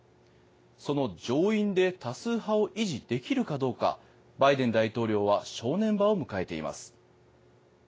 その上院で多数派を維持できるかどうかバイデン大統領は正念場を迎えています。